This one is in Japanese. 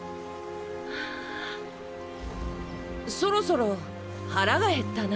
そろそろ腹が減ったな。